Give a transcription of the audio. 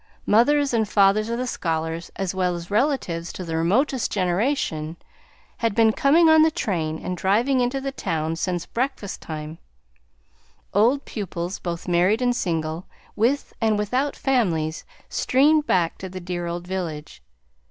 Mothers and fathers of the scholars, as well as relatives to the remotest generation, had been coming on the train and driving into the town since breakfast time; old pupils, both married and single, with and without families, streamed back to the dear old village.